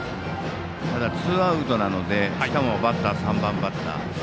ただツーアウトなのでしかもバッターは３番バッター。